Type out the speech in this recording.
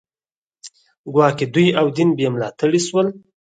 ګواکې دوی او دین بې ملاتړي شول